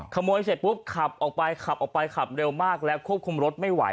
ขโมยเสร็จปุ๊บขับออกไปขับออกไปขับเร็วมากแล้วควบคุมรถไม่ไหว